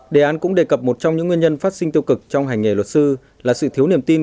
đề án cũng đề cập một trong những nguyên nhân phát sinh tiêu cực trong hành nghề luật sư là sự thiếu niềm tin